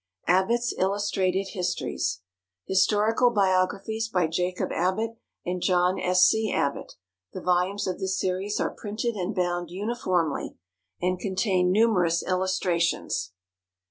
ABBOTTS' ILLUSTRATED HISTORIES. HISTORICAL BIOGRAPHIES. By JACOB ABBOTT and JOHN S. C. ABBOTT. The Volumes of this Series are printed and bound uniformly, and contain numerous Illustrations.